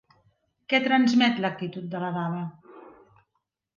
Què transmet l'actitud de la dama?